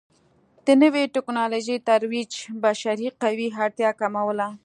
د نوې ټکنالوژۍ ترویج بشري قوې اړتیا کموله.